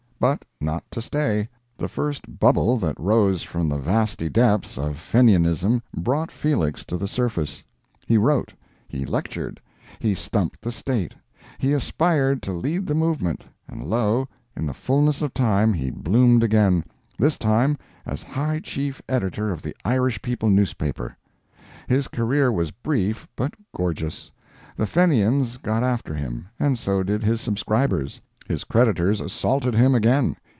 But not to stay. The first bubble that rose from the vasty depths of Fenianism brought Felix to the surface. He wrote; he lectured; he stumped the State; he aspired to lead the movement; and lo! in the fullness of time, he bloomed again—this time as high chief editor of the Irish People newspaper. His career was brief but gorgeous. The Fenians got after him, and so did his subscribers. His creditors assaulted him again.